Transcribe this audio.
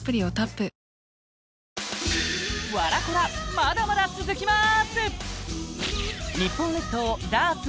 まだまだ続きます！